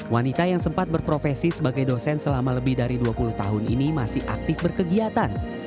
wanita yang sempat berprofesi sebagai dosen selama lebih dari dua puluh tahun ini masih aktif berkegiatan